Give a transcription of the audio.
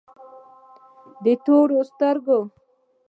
د سترگو توره